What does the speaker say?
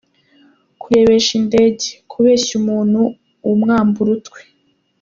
Kurebesha indege: kubeshya umuntu umwambura utwe.